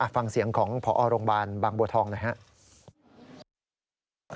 ฟังเสียงของพอโรงพยาบาลบางบัวทองหน่อยครับ